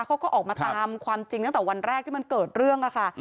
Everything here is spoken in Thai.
เขาก็ออกมาตามความจริงตั้งแต่วันแรกที่มันเกิดเรื่องค่ะ